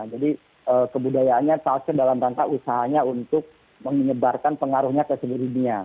jadi kebudayaannya salsi dalam rantai usahanya untuk menyebarkan pengaruhnya tersebut